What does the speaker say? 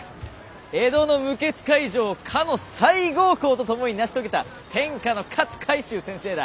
江戸の無血開城をかの西郷公と共に成し遂げた天下の勝海舟先生だ。